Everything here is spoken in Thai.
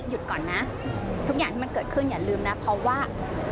ก่อนนะทุกอย่างที่มันเกิดขึ้นอย่าลืมนะเพราะว่า